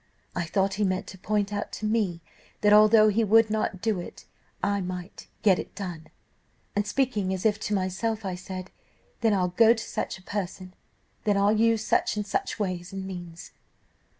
I thought he meant to point out to me that, although he would not do it, I might get it done. And, speaking as if to myself, I said, 'Then I'll go to such a person; then I'll use such and such ways and means.